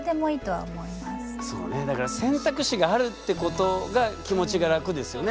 そうねだから選択肢があるってことが気持ちが楽ですよね？